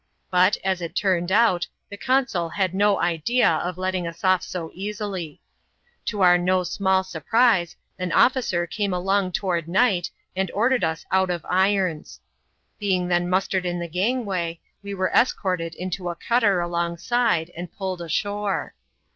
But, as it turned out, Hie camA had no idea of letting us off so easily. To our no email sof prise, an officer came along toward night, and ordered us <wt of irons. Being then mustered in the gangway, we were es corted into a cutter alongside, and pulled ashore.